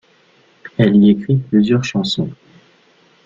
Elle y écrit plusieurs chansons.